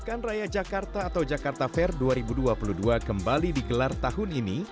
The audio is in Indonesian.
pekan raya jakarta atau jakarta fair dua ribu dua puluh dua kembali digelar tahun ini